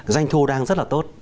doanh thu đang rất là tốt